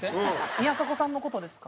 宮迫さんの事ですか？